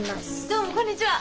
どうもこんにちは。